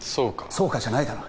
「そうか」じゃないだろう